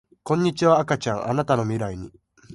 こんにちは赤ちゃんあなたの未来に